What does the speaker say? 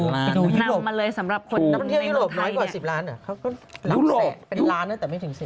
นำมาเลยสำหรับคนในไทยเนี่ย